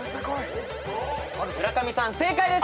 村上さん正解です！